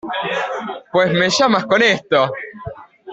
pues me llamas con esto.